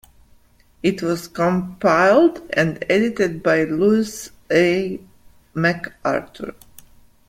It was compiled and edited by Lewis A. McArthur.